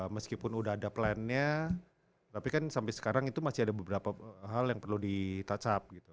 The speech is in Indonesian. meskipun udah ada plannya tapi kan sampai sekarang itu masih ada beberapa hal yang perlu di touch up gitu